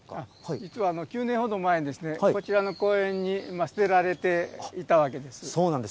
実は９年ほど前に、こちらの公園に捨てられていたわけです。